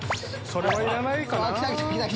それはいらないかな。